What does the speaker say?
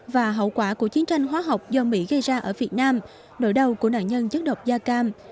và hậu quả của chiến tranh hóa học do mỹ gây ra ở việt nam nỗi đau của nạn nhân chất độc da cam